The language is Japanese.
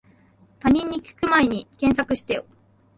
他人に聞くまえに検索してよ